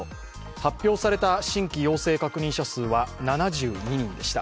発表された新規陽性確認者数は７２人でした。